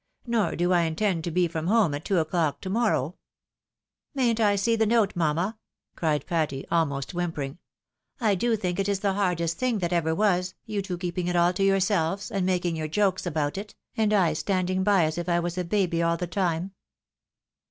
" Nor do I intend to be from home at two o'clock to morrow ?" "Mayn't I see the note, mamma?" cried Patty, almost ■whimpering. "I do think it is the hardest thing that ever ■was, you two keeping it all to yourselves, and making your jokes about it, and I standiag by as if I was a baby aU the time."